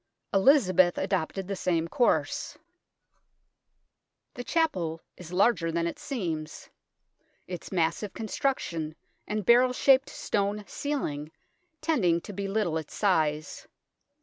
Elizabeth adopted the same course. 138 THE TOWER OF LONDON The chapel is larger than it seems, its massive construction and barrel shaped stone ceiling tending to belittle its size.